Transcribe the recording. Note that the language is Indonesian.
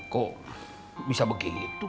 kok bisa begitu